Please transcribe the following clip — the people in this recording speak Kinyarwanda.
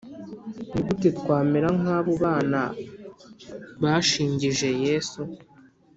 Ni gute twamera nk abo bana bashingije Yesu